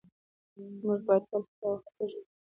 موږ باید تل هیله او هڅه ژوندۍ وساتو